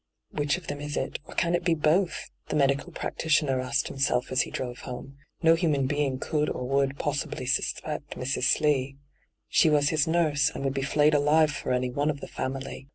' Which of them is it, or can it be both f the medical practitioner asked himself as he drove home. ' No human being could or would possibly suspect Mrs. Slee. She was his nurse, and would be flayed alive for any one of the family.